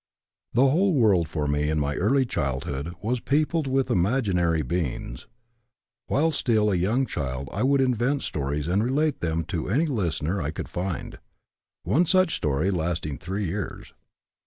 "The whole world for me in my early childhood was peopled with imaginary beings. While still a young child I would invent stories and relate them to any listener I could find, one such story lasting three years.